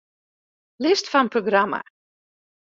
List fan programma.